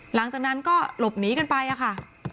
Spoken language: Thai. หลังจากนั้นก็หลบหนีกันไปค่ะ